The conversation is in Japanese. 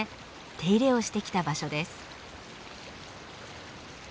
手入れをしてきた場所です。